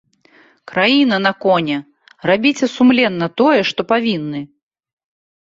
Краіна на коне, рабіце сумленна тое, што павінны.